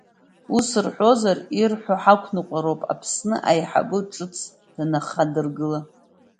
Ус рҳәазар, ирҳәо ҳақәныҟәароуп, Аԥсны аиҳабы ҿыц данахадырыгыла.